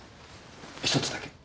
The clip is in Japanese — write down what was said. １つだけ。